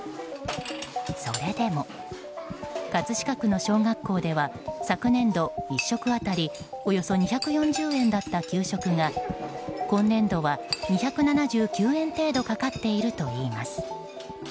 それでも葛飾区の小学校では昨年度、１食当たりおよそ２４０円だった給食が今年度は２７９円程度かかっているといいます。